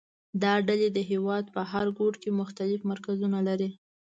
دا ډلې د هېواد په هر ګوټ کې مختلف مرکزونه لري